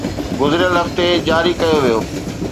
گذريل هفتي جاري ڪيو ويو